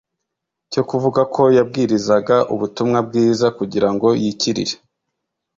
cyo kuvuga ko yabwirizaga ubutumwa bwiza kugira ngo yikirire.